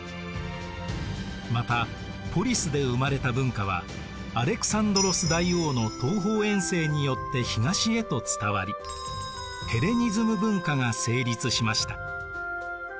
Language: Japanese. またポリスで生まれた文化はアレクサンドロス大王の東方遠征によって東へと伝わりヘレニズム文化が成立しました。